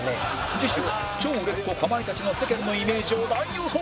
次週超売れっ子かまいたちの世間のイメージを大予想！